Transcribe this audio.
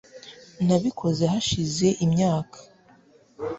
nabikoze hashize imyaka